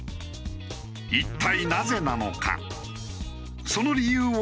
一体なぜなのか？